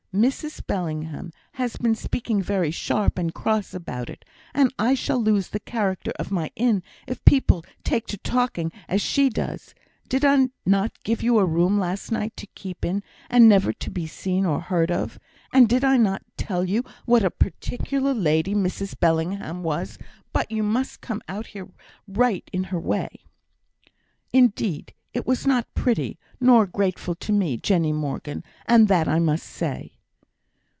Mrs Bellingham has been speaking very sharp and cross about it, and I shall lose the character of my inn if people take to talking as she does. Did not I give you a room last night to keep in, and never be seen or heard of; and did I not tell you what a particular lady Mrs Bellingham was, but you must come out here right in her way? Indeed, it was not pretty, nor grateful to me, Jenny Morgan, and that I must say."